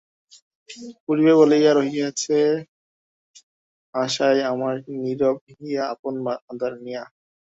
পুড়িবে বলিয়া রয়েছে আশায় আমার নীরব হিয়া আপন আঁধার নিয়া।